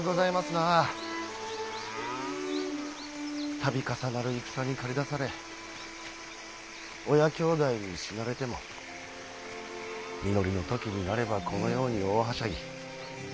度重なる戦に駆り出され親兄弟に死なれても実りの時になればこのように大はしゃぎ。